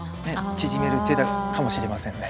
縮める手かもしれませんね。